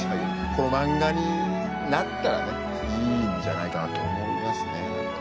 この漫画になったらねいいんじゃないかなって思いますね。